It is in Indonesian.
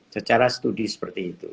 secara studi seperti itu